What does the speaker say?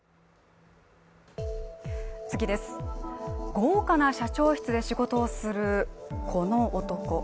豪華な社長室で仕事をする、この男。